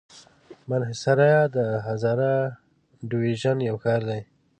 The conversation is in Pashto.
مانسهره د هزاره ډويژن يو ښار دی.